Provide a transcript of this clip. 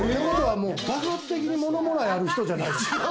爆発的にものもらいある人じゃない？